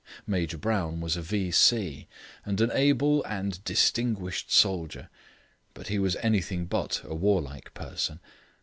Major Brown was a V.C., and an able and distinguished soldier, but he was anything but a warlike person.